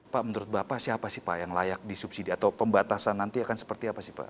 pak menurut bapak siapa sih pak yang layak disubsidi atau pembatasan nanti akan seperti apa sih pak